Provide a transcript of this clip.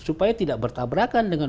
supaya tidak bertabrakan dengan